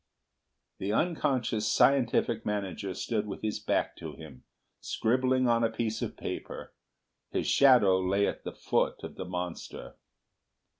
The unconscious scientific manager stood with his back to him, scribbling on a piece of paper. His shadow lay at the foot of the monster.